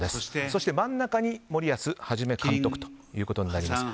そして真ん中に森保一監督ということになります。